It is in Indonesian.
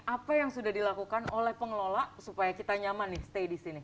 apa yang sudah dilakukan oleh pengelola supaya kita nyaman nih stay di sini